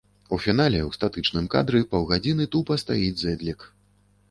У фінале ў статычным кадры паўгадзіны тупа стаіць зэдлік.